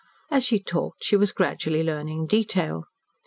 As she talked she was gradually learning detail.